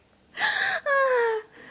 ああ。